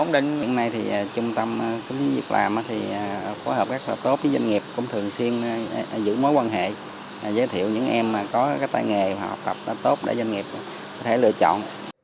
đến hiện nay trung tâm dịch vụ việc làm phối hợp rất tốt với doanh nghiệp cũng thường xuyên giữ mối quan hệ giới thiệu những em có tài nghề hoặc học tập tốt để doanh nghiệp có thể lựa chọn